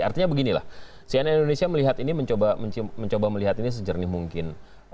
artinya beginilah cnn indonesia mencoba melihat ini sejernih mungkin